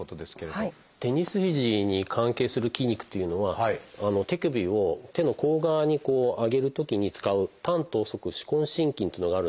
テニス肘に関係する筋肉というのは手首を手の甲側にこう上げるときに使う短橈側手根伸筋というのがあるんですが。